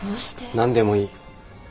何でもいい。